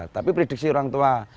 tapi prediksi orang tua